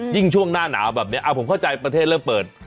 ช่วงหน้าหนาวแบบนี้ผมเข้าใจประเทศเริ่มเปิด